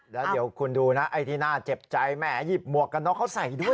แล้วเดี๋ยวคุณดูนะไอ้ที่น่าเจ็บใจแหมหยิบหมวกกันน็อกเขาใส่ด้วย